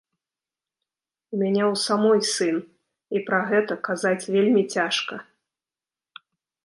У мяне ў самой сын, і пра гэта казаць вельмі цяжка.